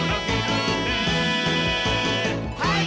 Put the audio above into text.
はい！